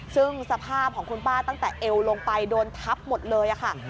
ซึ่งสภาพของคุณป้าตั้งแต่เอวลงไปโดนทับหมดเลยค่ะ